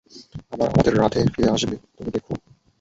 আমাদের রাধে ফিরে আসবে, তুমি দেখো।